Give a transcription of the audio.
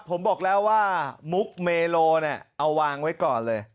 ผมบอกแล้วว่ามุกเมโลเนี่ยเอาวางไว้ก่อนเลย